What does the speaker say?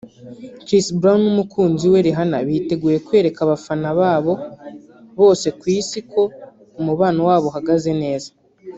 Chris Brown n’umukunzi we Rihanna biteguye kwereka abafana babo bose ku isi ko umubano wabo uhagaze neza